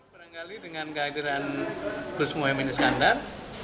beranggali dengan kehadiran pres mohaimin iskandar